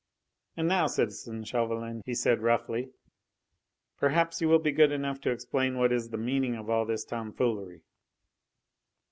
"And now, citizen Chauvelin," he said roughly, "perhaps you will be good enough to explain what is the meaning of all this tomfoolery."